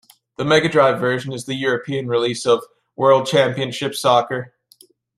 The Mega Drive version is the European release of "World Championship Soccer".